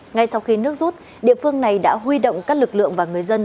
ngay sau khi nước rút địa phương này đã huy động các lực lượng và người dân